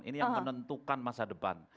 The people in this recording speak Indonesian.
ini yang menentukan masa depan